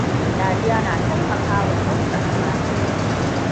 Dariya yana taimakawa sauƙaƙa zafin.